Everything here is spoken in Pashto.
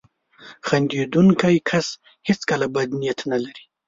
• خندېدونکی کس هیڅکله بد نیت نه لري.